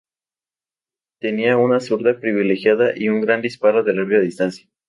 Tenía una zurda privilegiada y un gran disparo de larga distancia.